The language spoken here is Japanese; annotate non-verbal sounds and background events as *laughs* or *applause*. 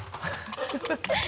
ハハハ *laughs*